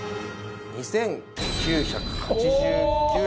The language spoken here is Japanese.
２９８９円です。